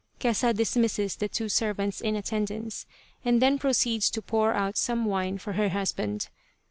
Kesa dismisses the two servants in attendance, and then proceeds to pour out some wine for her husband.